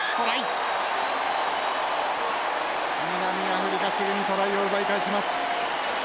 南アフリカすぐにトライを奪い返します。